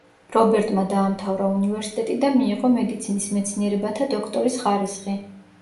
რობერტმა დაამთავრა უნივერსიტეტი და მიიღო მედიცინის მეცნიერებათა დოქტორის ხარისხი.